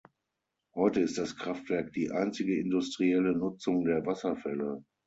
Heute ist das Kraftwerk die einzige industrielle Nutzung der Wasserfälle.